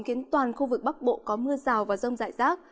khiến toàn khu vực bắc bộ có mưa rào và rông rải rác